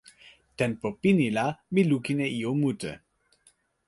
tenpo pini la mi lukin e ijo mute.